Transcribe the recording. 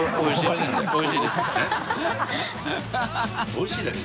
おいしいです。